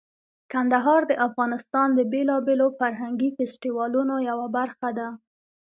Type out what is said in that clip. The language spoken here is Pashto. کندهار د افغانستان د بیلابیلو فرهنګي فستیوالونو یوه برخه ده.